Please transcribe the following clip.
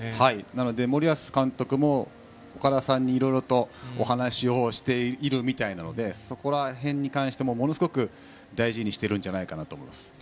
なので、森保監督も岡田さんにいろいろお話をしているみたいなのでそこら辺も、ものすごく大事にしていると思います。